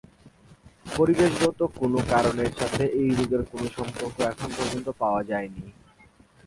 পরিবেশগত কোনো কারণের সাথে এই রোগের কোনো সম্পর্ক এখন পর্যন্ত পাওয়া যায়নি।